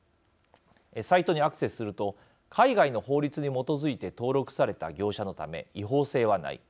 サイトにアクセスすると海外の法律に基づいて登録された業者のため違法性はない。